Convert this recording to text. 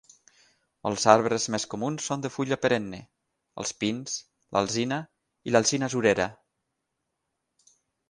Els arbres més comuns són de fulla perenne: els pins, l'alzina i l'alzina surera.